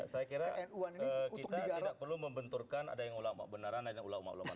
saya kira kita tidak perlu membenturkan ada yang ulama benaran ada yang ulama ulama